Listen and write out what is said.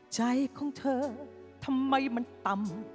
ใจของเธอทำไมมันต่ำ